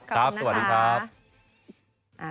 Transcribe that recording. ขอบคุณครับ